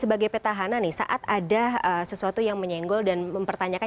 bagi pak tahanan nih saat ada sesuatu yang menyenggol dan mempertanyakan